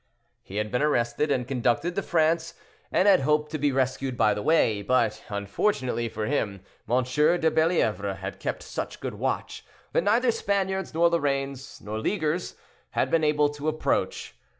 He had been arrested and conducted to France, and had hoped to be rescued by the way; but unfortunately for him, M. de Bellièvre had kept such good watch, that neither Spaniards nor Lorraines, nor leaguers, had been able to approach.